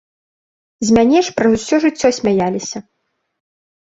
З мяне ж праз усё жыццё смяяліся.